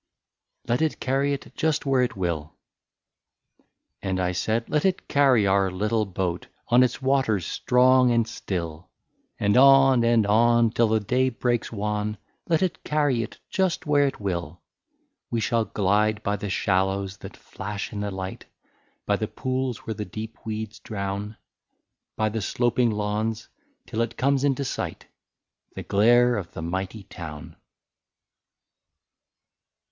28 LET IT CARRY IT JUST WHERE IT WILL ! And I said, —*^ Let it carry our little boat, On its waters strong and still ; And on and on, till the day breaks wan — Let it carry it just where it will. " We shall glide by the shallows that flash in the light, By the pools where the deep weeds drown, By the sloping lawns, till it comes into sight, — The glare of the mighty town."